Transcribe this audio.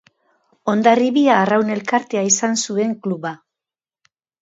Hondarribia Arraun Elkartea izan zuen kluba.